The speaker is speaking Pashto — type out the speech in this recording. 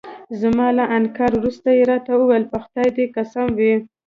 زما له انکار وروسته يې راته وویل: په خدای دې قسم وي.